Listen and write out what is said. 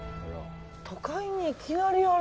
都会にいきなり現れる。